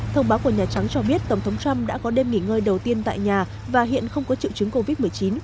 thông báo của nhà trắng cho biết tổng thống trump đã có đêm nghỉ ngơi đầu tiên tại nhà và hiện không có triệu chứng covid một mươi chín